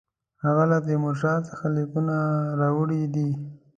هغه له تیمورشاه څخه لیکونه راوړي دي.